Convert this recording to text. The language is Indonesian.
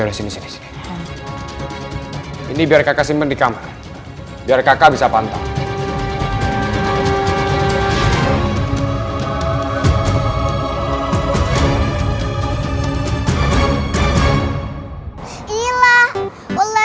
udah sini sini ini biar kakak simpen dikamar biar kakak bisa pantau